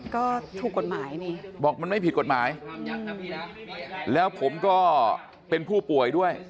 ก็ถูกกฎหมายนี่บอกมันไม่ผิดกฎหมายแล้วผมก็เป็นผู้ป่วยด้วย